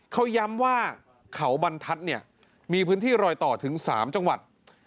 เขาย้ำว่าเขาบรรทัศน์เนี่ยมีพื้นที่รอยต่อถึง๓จังหวัด